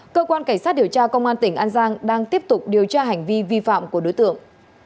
cơ quan cảnh sát điều tra công an tỉnh an giang đang tiếp tục điều tra hành vi vi phạm của đối tượng